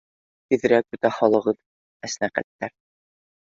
Тиҙерәк үтә һалығыҙ, аснәҡәттәр.